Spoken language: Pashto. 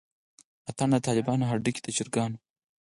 اتڼ دطالبانو هډوکے دچرګانو